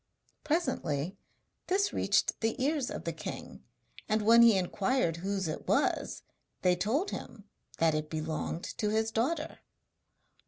Presently this reached the ears of the king, and when he inquired whose it was they told him that it belonged to his daughter.